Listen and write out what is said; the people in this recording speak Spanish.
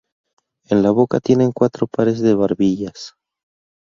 En la boca tienen cuatro pares de barbillas.